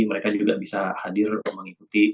mereka juga bisa hadir di kampus tersebut ya